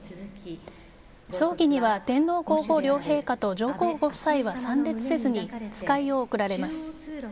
葬儀には天皇・皇后両陛下と上皇ご夫妻は参列せずに、使いを送られます。